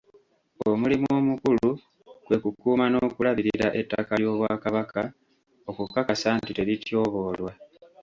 Omulimu omukulu kwe kukuuma n’okulabirira ettaka ly’Obwakabaka okukakasa nti terityoboolwa.